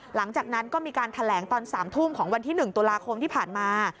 หลังจากนั้นก็มีการแถลงตอน๓ทุ่มของวันที่๑ตุลาคมที่ผ่านมา